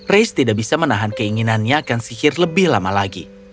race tidak bisa menahan keinginannya akan sihir lebih lama lagi